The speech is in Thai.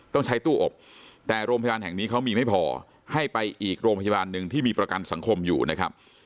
ต้องใช้ตู้อบแต่โรงพยาบาลแห่งนี้เขามีไม่พอให้ไปอีกโรงพยาบาลหนึ่งที่มีประกันสังคมอยู่นะครับ